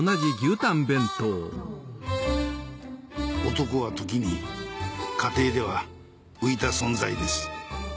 男は時に家庭では浮いた存在です。